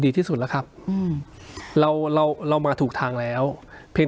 ที่สุดแล้วครับอืมเราเราเรามาถูกทางแล้วเพลง